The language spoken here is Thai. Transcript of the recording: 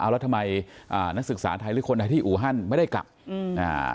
แล้วทำไมอ่านักศึกษาไทยหรือคนไทยที่อูฮันไม่ได้กลับอืมอ่า